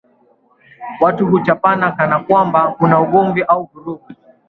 Watu huchapana kana kambwa kuna ugomvi au vurugu